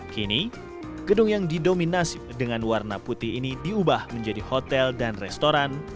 kini gedung yang didominasi dengan warna putih ini diubah menjadi hotel dan restoran